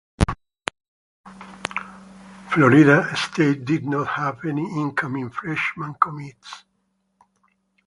Florida State did not have any incoming freshman commits.